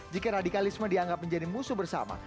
jika radikalisme dianggap menjadi musuh bersama